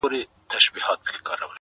• نه د بل پر حیثیت وي نه د خپلو ,